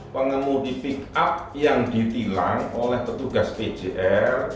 pengemodifik up yang ditilang oleh petugas pjr